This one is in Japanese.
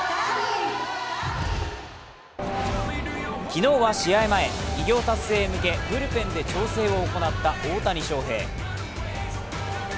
昨日は試合前、偉業達成へ向けブルペンで調整を行った大谷翔平。